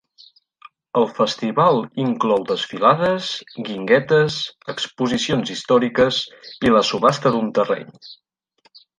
El festival inclou desfilades, guinguetes, exposicions històriques i la subhasta d'un terreny.